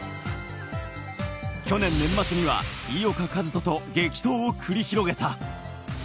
去年年末には井岡一翔と激闘を繰り広げた。